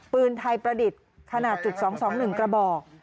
ปืนไทยประดิษฐ์ขนาดจุด๒๒๑กระบอก